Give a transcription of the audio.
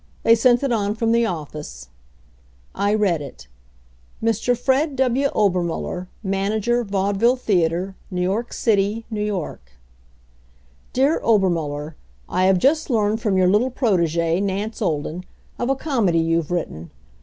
"They sent it on from the office." I read it. "Mr. Fred W. Obermuller, Manager Vaudeville Theater, New York City, N.Y.: Dear Obermuller: I have just learned from your little protegee, Nance Olden, of a comedy you've written.